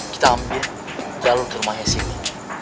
kita ambil jalur rumahnya sini